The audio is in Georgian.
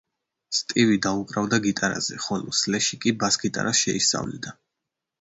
სტივი დაუკრავდა გიტარაზე, ხოლო სლეში კი ბას გიტარას შეისწავლიდა.